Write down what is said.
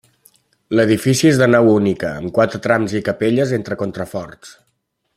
L'edifici és de nau única, amb quatre trams i capelles entre contraforts.